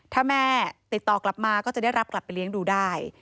ถ้าแม่ติดต่อกลับมาก็จะได้รับกลับไปเลี้ยงดูได้